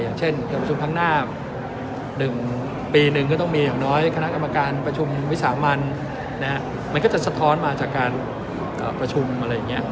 อย่างเช่นการประชุมข้างหน้า๑ปีหนึ่งก็ต้องมีอย่างน้อยคณะกรรมการประชุมวิสามันมันก็จะสะท้อนมาจากการประชุมอะไรอย่างนี้